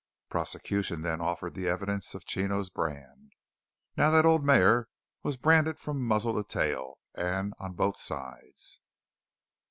Prosecution then offered the evidence of Chino's brand. Now that old mare was branded from muzzle to tail, and on both sides.